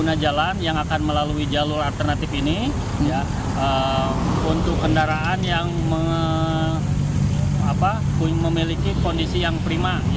pengguna jalan yang akan melalui jalur alternatif ini untuk kendaraan yang memiliki kondisi yang prima